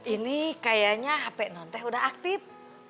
ini kayaknya hp non teh udah aktif